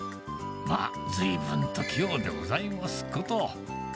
まあ、ずいぶんと器用でございますこと。